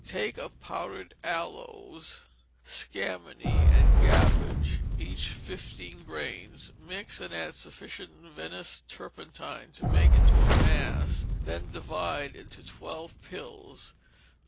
Take of powdered aloes, scammony, and gamboge, each fifteen grains, mix, and add sufficient Venice turpentine to make into a mass, then divide into twelve pills.